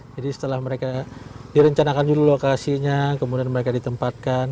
jadi setelah mereka direncanakan dulu lokasinya kemudian mereka ditempatkan